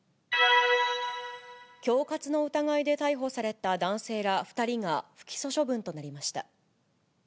恐喝の疑いで逮捕された男性ら２人が、不起訴処分となりました。